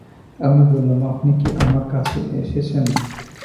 আমি বললাম, আপনি কি আমার কাছে এসেছেন?